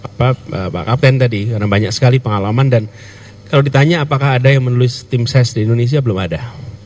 apa pak kapten tadi karena banyak sekali pengalaman dan kalau ditanya apakah ada yang menulis tim ses di indonesia belum ada